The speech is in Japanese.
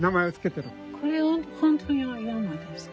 これは本当の山ですか？